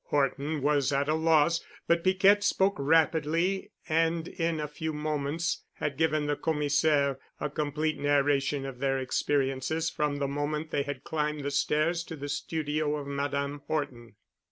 Horton was at a loss, but Piquette spoke rapidly and in a few moments had given the Commissaire a complete narration of their experiences from the moment they had climbed the stairs to the studio of Madame Horton.